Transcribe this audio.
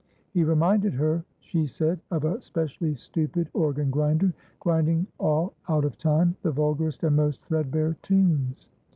He reminded her, she said, of a specially stupid organ grinder, grinding all out of time the vulgarest and most threadbare tunes.